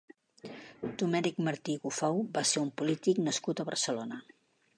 Domènec Martí i Gofau va ser un polític nascut a Barcelona.